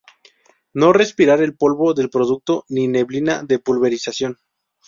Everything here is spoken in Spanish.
No respirar el polvo del producto ni neblina de pulverización.